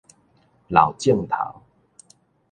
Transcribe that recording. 老症頭